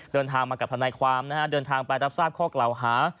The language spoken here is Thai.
เดินทางมากับธนาความเดินทางไปรับทราบข้อเกลาหา